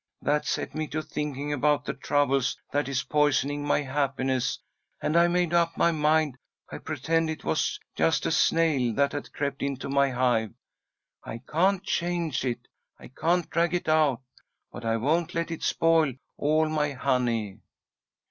That set me to thinking about the trouble that is poisoning my happiness, and I made up my mind I'd pretend it was just a snail that had crept into my hive. I can't change it, I can't drag it out, but I won't let it spoil all my honey."